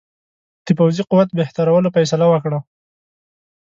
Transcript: د پوځي قوت بهترولو فیصله وکړه.